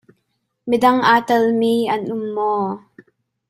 Midang aa tal mi an um maw?